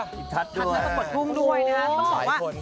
ทัศน์มาตรงปลดทุ่มด้วยนะครับ